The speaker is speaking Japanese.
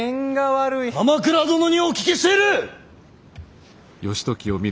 鎌倉殿にお聞きしている！